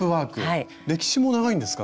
歴史も長いんですか？